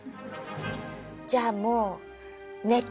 じゃあもう寝て！